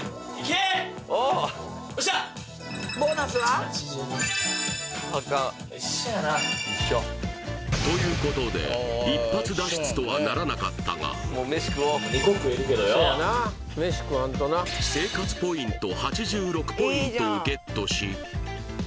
８２ということで一発脱出とはならなかったが生活ポイント８６ポイントをゲットし☎